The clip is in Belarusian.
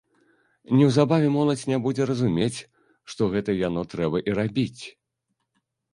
Неўзабаве моладзь не будзе разумець, што гэта яно трэба і рабіць.